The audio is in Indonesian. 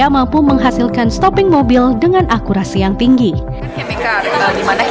utama pengganti dari dapatan maka darilisten lainnya untuk memiliki discovation ekonomi